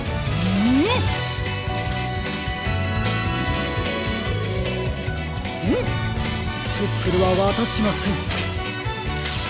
フンプップルはわたしません。